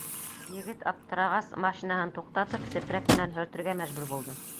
Егет, аптырағас, машинаһын туҡтатып, сепрәк менән һөртөргә мәжбүр булды.